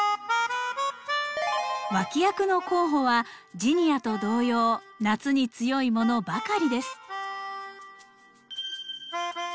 脇役の候補はジニアと同様夏に強いものばかりです。